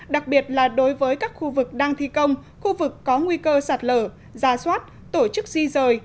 đặc biệt là đối với các khu vực đang thi công khu vực có nguy cơ sạt lở ra soát tổ chức di rời